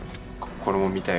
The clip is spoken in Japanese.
これも見たい